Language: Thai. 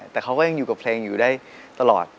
แต่เขาก็ยังอยู่กับเพลงอยู่ได้ตลอด